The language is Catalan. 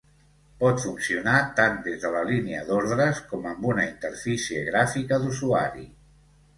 Pot funcionar tant des de la línia d'ordres com amb una interfície gràfica d'usuari.